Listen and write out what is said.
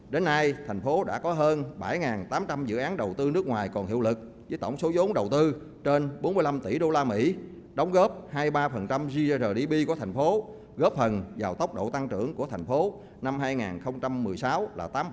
đến nay tp hcm đã có hơn bảy tám trăm linh dự án đầu tư nước ngoài còn hiệu lực với tổng số giống đầu tư trên bốn mươi năm tỷ usd đóng góp hai mươi ba grdp của tp hcm góp phần vào tốc độ tăng trưởng của tp hcm năm hai nghìn một mươi sáu là tám năm